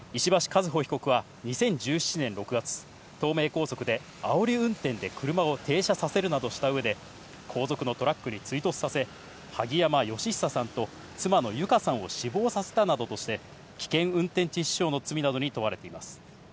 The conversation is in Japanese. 和歩被告は２０１７年６月、東名高速であおり運転で車を停車させるなどした上で、後続のトラックに追突させ、萩山嘉久さんと妻の友香さんを死亡させたなどとして、危険運転致死傷の罪などに問われています。